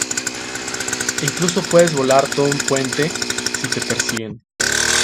Incluso puedes volar todo un puente, si te persiguen.